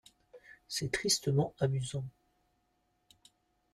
C’est tristement amusant.